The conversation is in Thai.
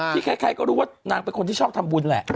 ใครก็รู้ว่านางเป็นคนที่ชอบทำบุญแหละ